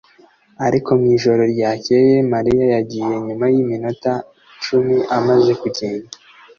ariko mwijoro ryakeye Mariya yagiye nyuma yiminota icumi amaze kugenda.